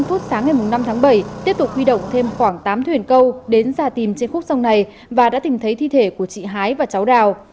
bảy h ba mươi sáng ngày năm tháng bảy tiếp tục huy động thêm khoảng tám thuyền câu đến ra tìm trên khúc sông này và đã tìm thấy thi thể của chị hái và cháu đào